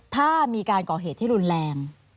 ถ้ามีการก่อเหตุที่รุนแรง